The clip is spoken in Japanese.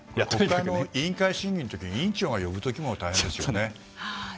委員会審議の時に委員長が呼ぶ時も大変ですよね。